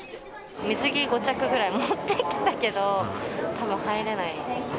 水着５着ぐらい持ってきたけど、たぶん入れない。